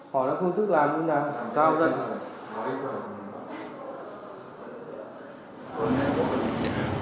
họ đã không tức là nguyên đán làm cao rồi